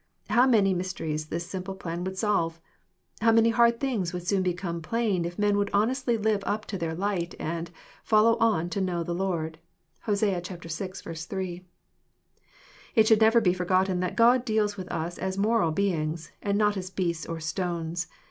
How many mys teries this simple plan would solve! How many hard thing would soon become plain if men would honestly live up to their light, and "follow on to know the Lord!" (Hosea vi. 3.) It should never be forgotten that God deals with us as moral beings, and not as beasts or stones.